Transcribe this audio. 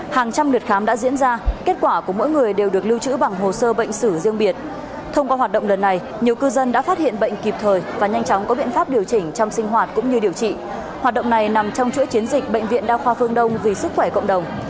hàng trăm lượt khám đã diễn ra kết quả của mỗi người đều được lưu trữ bằng hồ sơ bệnh sử riêng biệt thông qua hoạt động lần này nhiều cư dân đã phát hiện bệnh kịp thời và nhanh chóng có biện pháp điều chỉnh trong sinh hoạt cũng như điều trị hoạt động này nằm trong chuỗi chiến dịch bệnh viện đa khoa phương đông vì sức khỏe cộng đồng